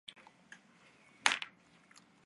大概拍了三十分钟照